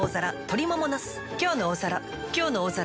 「きょうの大皿」